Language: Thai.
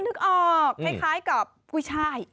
อ๋อนี่ฉันนึกออกคล้ายกับกุยชาย